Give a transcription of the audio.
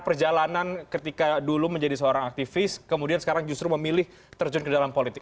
perjalanan ketika dulu menjadi seorang aktivis kemudian sekarang justru memilih terjun ke dalam politik